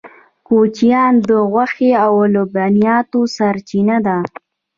کوچیان د غوښې او لبنیاتو سرچینه ده